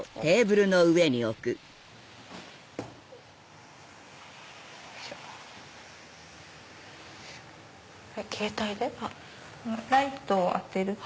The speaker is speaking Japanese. ライトを当てると。